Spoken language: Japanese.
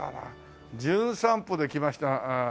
『じゅん散歩』で来ましたあ